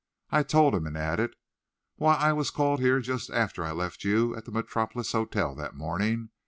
I told him, and added, "Why, I was called here just after I left you at the Metropolis Hotel that morning.